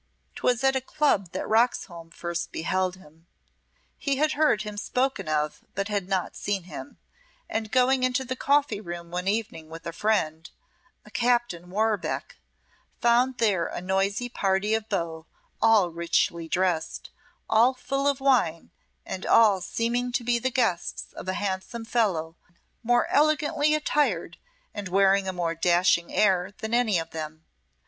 'Twas at a club that Roxholm first beheld him. He had heard him spoken of but had not seen him, and going into the coffee room one evening with a friend, a Captain Warbeck, found there a noisy party of beaux, all richly dressed, all full of wine, and all seeming to be the guests of a handsome fellow more elegantly attired and wearing a more dashing air than any of them.